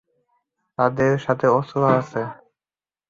তাদের সাথে অস্ত্র আছে।